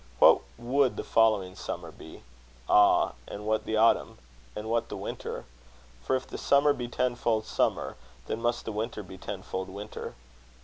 What would the following summer be? Ah! and what the autumn? And what the winter? For if the summer be tenfold summer, then must the winter be tenfold winter.